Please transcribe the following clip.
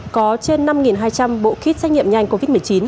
có trên năm hai trăm linh bộ kit xét nghiệm nhanh covid một mươi chín